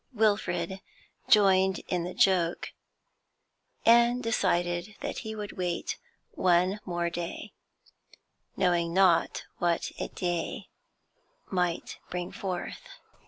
Wilfrid joined in the joke, and decided that he would wait one more day, knowing not what a day might bring forth.